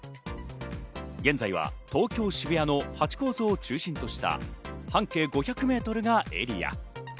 現在は東京・渋谷のハチ公像を中心とした半径５００メートルがエリア。